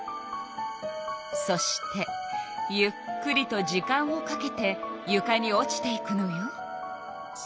そしてゆっくりと時間をかけてゆかに落ちていくのよ。